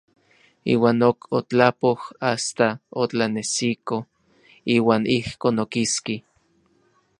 Iuan ok otlapoj asta otlanesiko; iuan ijkon okiski.